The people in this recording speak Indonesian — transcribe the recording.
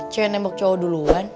cuyo yang nembak cowo duluan